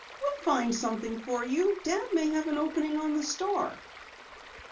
"We'll find something for you. Dad may have an opening on the Star."